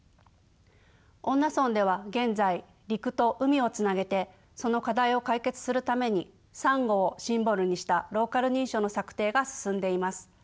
恩納村では現在陸と海をつなげてその課題を解決するためにサンゴをシンボルにしたローカル認証の策定が進んでいます。